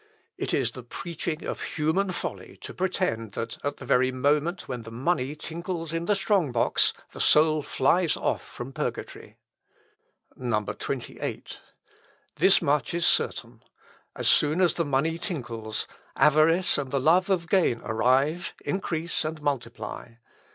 "It is the preaching of human folly to pretend, that at the very moment when the money tinkles in the strong box, the soul flies off from purgatory. 28. "This much is certain; as soon as the money tinkles, avarice and the love of gain arrive, increase, and multiply.